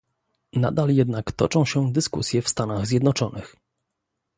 Nadal jednak toczą się dyskusje w Stanach Zjednoczonych